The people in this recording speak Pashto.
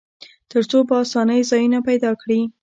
تر څو په آسانۍ ځایونه پیدا کړي.